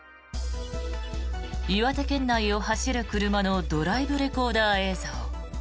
岩手県内を走る車のドライブレコーダー映像。